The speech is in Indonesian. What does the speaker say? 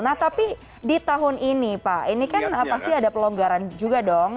nah tapi di tahun ini pak ini kan pasti ada pelonggaran juga dong